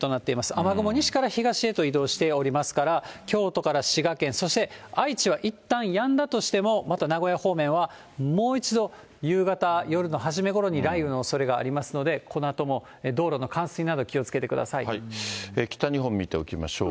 雨雲、西から東へと移動しておりますから、京都から滋賀県、そして、愛知はいったんやんだとしても、また名古屋方面は、もう一度、夕方、夜の初めごろに雷雨のおそれがありますので、このあとも道路の冠北日本見ておきましょう。